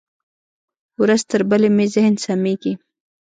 ورځ تر بلې مې ذهن سمېږي.